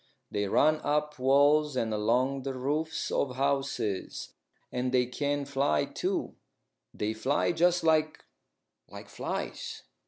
They run up walls and along the roofs of houses. And they can fly, too. They fly just like like flies."